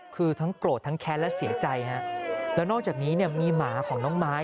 คือทั้งโกรธทั้งแคนเสียใจและนอกจากนี้มีหมาของน้องไม้